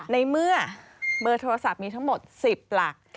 ในเมื่อเบอร์โทรศัพท์มีทั้งหมด๑๐หลัก